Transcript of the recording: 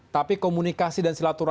tapi komunikasi dan silatutannya